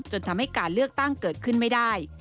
จนทำให้การเลือกตั้งเกิดขึ้นไม่ได้